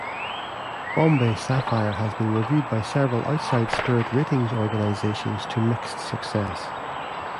Bombay Sapphire has been reviewed by several outside spirit ratings organizations to mixed success.